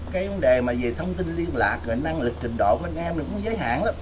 cái vấn đề về thông tin liên lạc năng lực trình độ của anh em cũng giới hạn lắm